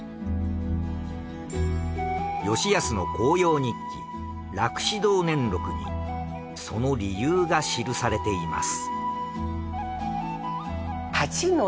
吉保の公用日記『楽只堂年録』にその理由が記されています。